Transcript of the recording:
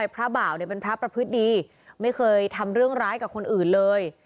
พระบ่าวเป็นพระประพฤติดีไม่เคยทำเรื่องร้ายกับคนอื่นเลย